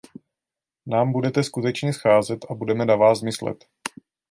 Nám budete skutečně scházet a budeme na vás myslet.